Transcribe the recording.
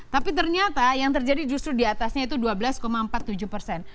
tapi ternyata yang terjadi justru diatasnya itu dua belas empat puluh tujuh persen